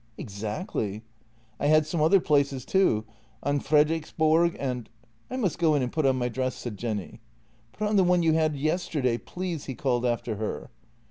" Exactly. I had some other places too, on Fredriksborg and "" I must go in and put on my dress," said Jenny. " Put on the one you had yesterday, please! " he called after her.